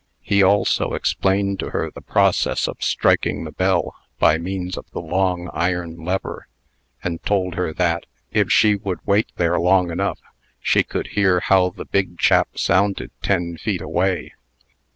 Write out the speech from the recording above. He also explained to her the process of striking the bell by means of the long iron lever, and told her that, if she would wait there long enough, she could hear how the big chap sounded ten feet away.